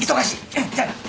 うんじゃあな。